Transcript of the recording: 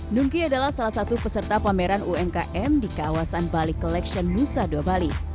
nungki adalah salah satu peserta pameran umkm di kawasan bali collection nusa dua bali